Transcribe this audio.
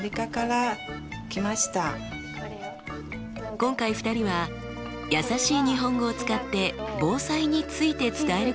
今回２人はやさしい日本語を使って防災について伝えることにしました。